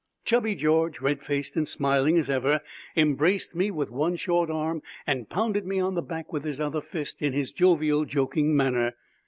Chubby George, red faced and smiling as ever, embraced me with one short arm and pounded me on the back with his other fist in his jovial, joking manner.